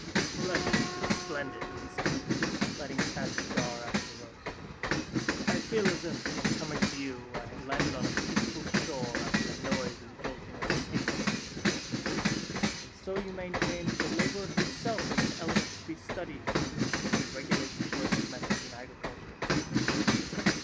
"Splendid, splendid!" he said, lighting a fat cigar after the roast. "I feel as if, coming to you, I had landed on a peaceful shore after the noise and jolting of a steamer. And so you maintain that the laborer himself is an element to be studied and to regulate the choice of methods in agriculture.